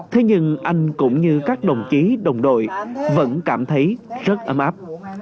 thế nhưng anh cũng như các đồng chí đồng đội vẫn cảm thấy rất ấm áp